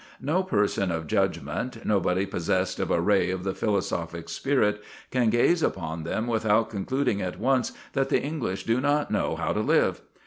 No person of judgment, nobody possessed of a ray of the philosophic spirit, can gaze upon them without concluding at once that the English do not know how to live.